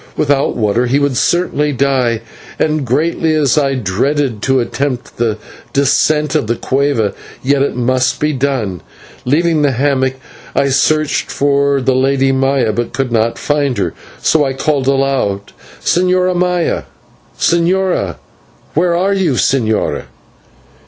Without water he would certainly die, and greatly as I dreaded to attempt the descent of the /cueva/, yet it must be done. Leaving the hammock, I searched for the Lady Maya, but could not find her, so I called aloud "Señora, señora. Where are you, señora?"